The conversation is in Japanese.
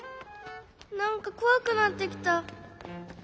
なんかこわくなってきた。